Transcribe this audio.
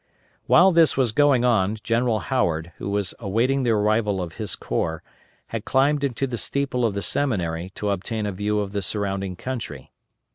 While this was going on, General Howard, who was awaiting the arrival of his corps, had climbed into the steeple of the seminary to obtain a view of the surrounding country.